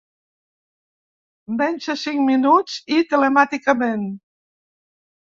Menys de cinc minuts i telemàticament.